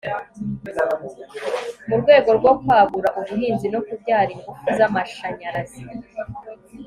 mu rwego rwo kwagura ubuhinzi no kubyara ingufu z'amashanyarazi